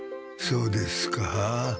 そうですか？